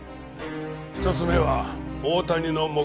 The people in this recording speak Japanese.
１つ目は大谷の目撃証言。